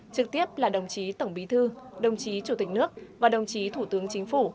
trực tiếp là đồng chí tổng bí thư đồng chí chủ tịch nước và đồng chí thủ tướng chính phủ